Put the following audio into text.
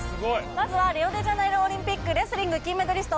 まずはリオデジャネイロオリンピックレスリング金メダリスト